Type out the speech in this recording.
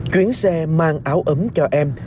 khuyến xe mang áo ấm cho em